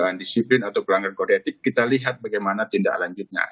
jadi kalau kita melihat proses ini kita bisa melihat apa yang akan dilakukan oleh pemerintah